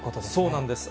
そうなんです。